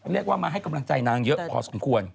เรียกว่ามาให้กำลังใจนางเยอะพอสมควร